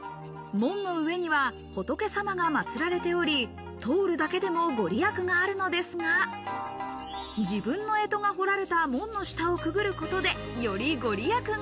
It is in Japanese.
門の上には仏様がまつられており、通るだけでも御利益があるのですが、自分の干支が彫られた門の下をくぐることで、より御利益が。